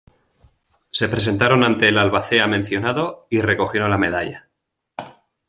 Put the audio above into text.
Se presentaron ante el albacea mencionado y recogieron la medalla.